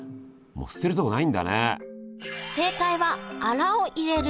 もう捨てるとこないんだね。